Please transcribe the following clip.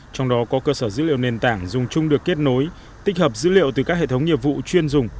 trong đó có cơ sở dữ liệu nền tảng dùng chung được kết nối tích hợp dữ liệu từ các hệ thống nghiệp vụ chuyên dùng